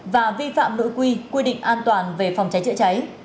và vi phạm nội quy quy định an toàn về phòng cháy chữa cháy